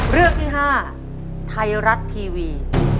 เรื่องที่๕ไทยรัฐทีวี